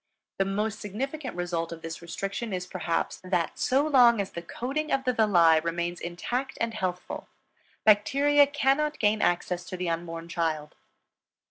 The most significant result of this restriction is, perhaps, that so long as the coating of the villi remains intact and healthful, bacteria cannot gain access to the unborn child.